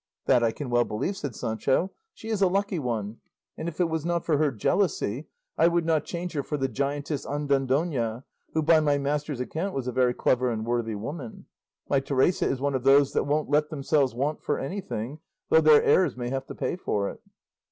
"That I can well believe," said Sancho. "She is a lucky one, and if it was not for her jealousy I would not change her for the giantess Andandona, who by my master's account was a very clever and worthy woman; my Teresa is one of those that won't let themselves want for anything, though their heirs may have to pay for it."